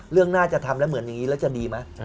น่าจะทำแล้วเหมือนอย่างนี้แล้วจะดีไหม